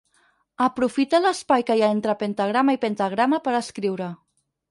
Aprofita l'espai que hi ha entre pentagrama i pentagrama per escriure.